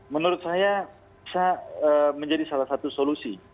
menurut saya bisa menjadi salah satu solusi